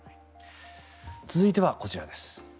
続いてはこちらです。